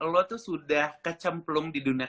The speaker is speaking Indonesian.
lo tuh sudah kecemplung di dunia